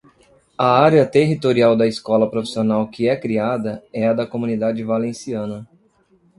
A área territorial da escola profissional que é criada é a da Comunidade Valenciana.